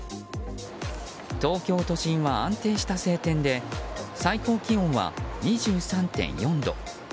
東京都心は安定した晴天で最高気温は２３．４度。